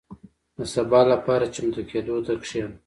• د سبا لپاره چمتو کېدو ته کښېنه.